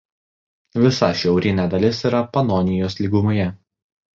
Visa šiaurinė dalis yra Panonijos lygumoje.